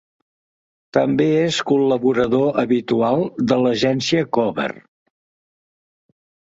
També és col·laborador habitual de l'agència Cover.